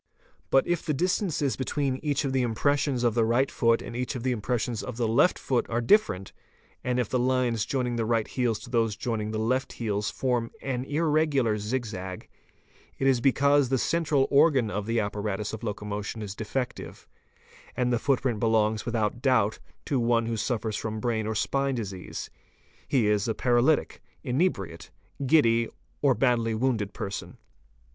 But if the distances between each of the impressions of the _ right foot and each of the impressions of the left foot are different, and if the lines joining the right heels and those joining the left heels form an irregular zig zag, it is because the central organ of the apparatus of loco motion is defective, and the footprint belongs without doubt to one who _ suffers from brain or spine disease: he is a paralytic, inebriate, giddy, or badly wounded person.